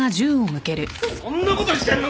そんなことしてんのか！？